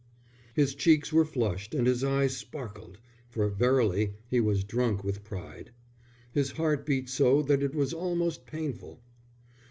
His cheeks were flushed and his eyes sparkled, for verily he was drunk with pride. His heart beat so that it was almost painful.